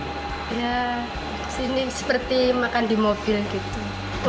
ya di sini seperti makan di mobil gitu